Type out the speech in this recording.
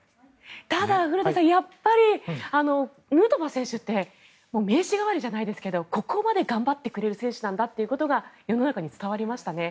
ただ古田さん、やっぱりヌートバー選手って名刺代わりじゃないですけどここまで頑張ってくれる選手なんだということが世の中に伝わりましたね。